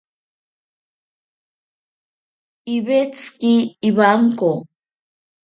Iwetsiki iwanko.